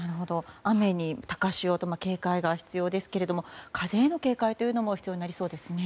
雨に高潮と警戒が必要ですけど風への警戒も必要になりそうですね。